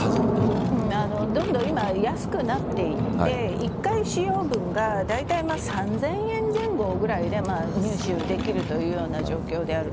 どんどん今は安くなっていて１回使用分がだいたい３０００円前後ぐらいで入手できるというような状況である。